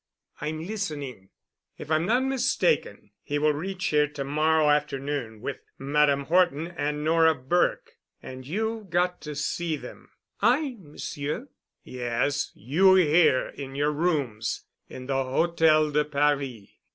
"I'm listening." "If I'm not mistaken he will reach here to morrow afternoon with Madame Horton and Nora Burke. And you've got to see them." "I—Monsieur?" "Yes—you—here in your rooms in the Hôtel de Paris.